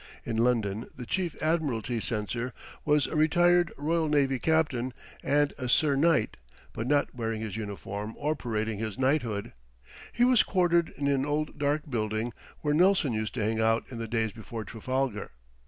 In London the Chief Admiralty Censor was a retired Royal Navy captain and a Sir Knight, but not wearing his uniform or parading his knighthood. He was quartered in an old dark building where Nelson used to hang out in the days before Trafalgar.